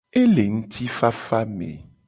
E le ngtifafa me.